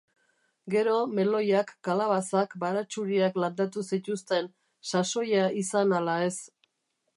Gero meloiak, kalabazak, baratxuriak landatu zituzten, sasoia izan ala ez.